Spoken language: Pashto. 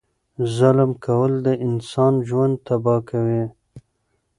ظلم کول د انسان ژوند تبا کوي.